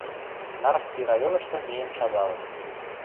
Нарвский районышкы миэн шагалыт.